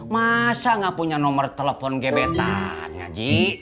masa tidak punya nomor telepon gebetan ji